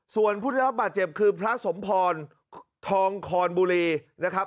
ส่วนผู้ได้รับบาดเจ็บคือพระสมพรทองคอนบุรีนะครับ